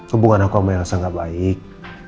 hubungan aku sama elsa nggak baik